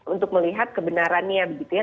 untuk melihat kebenarannya begitu ya